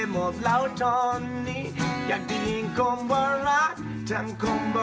คืนนี้โอเคค่ะขอบคุณมากค่ะ